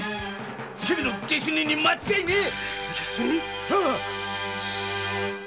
つけ火の下手人に間違いねえ！